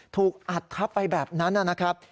ถูกอัดทับไปแบบนั้นนะครับ